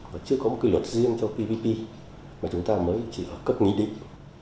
và chưa có một quy luật riêng cho ppp mà chúng ta mới chỉ vào cấp nghĩ định